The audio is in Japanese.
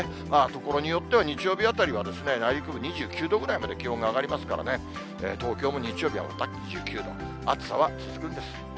所によっては日曜日あたりは内陸部、２９度ぐらいまで気温が上がりますからね、東京も日曜日はまた２９度、暑さは続くんです。